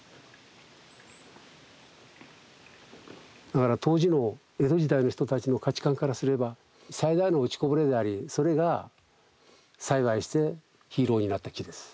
だから当時の江戸時代の人たちの価値観からすれば最大の落ちこぼれでありそれが幸いしてヒーローになった木です。